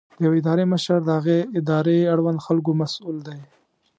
د یوې ادارې مشر د هغې ادارې اړوند خلکو مسؤل دی.